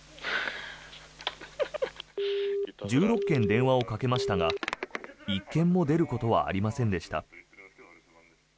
１６件、電話をかけましたが１件も出ることはありませんでした。